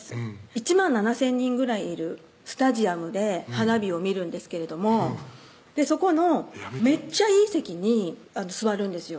１万７０００人ぐらいいるスタジアムで花火を見るんですけれどもそこのめっちゃいい席に座るんですよ